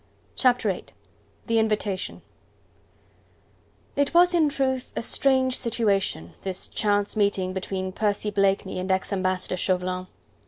Chapter VIII: The Invitation It was in truth a strange situation, this chance meeting between Percy Blakeney and ex Ambassador Chauvelin.